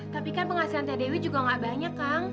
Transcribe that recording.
tapi kan penghasilan tdw juga gak banyak kang